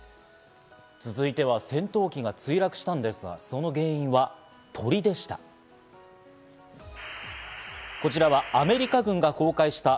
続いては戦闘機が墜落したんですが、その原因は鳥でした。